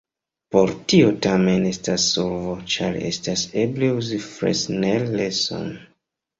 Por tio tamen estas solvo, ĉar estas eble uzi Fresnel-lenson.